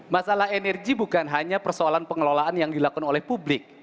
masalah energi bukan hanya persoalan pengelolaan yang dilakukan oleh publik